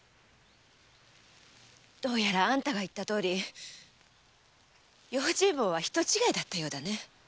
どうやらあんたが言ったとおり用心棒は人違いだったようだね。